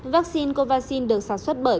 vaccine covaxin được sản xuất bởi